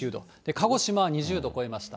鹿児島は２０度超えました。